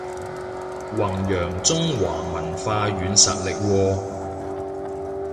弘揚中華文化軟實力喎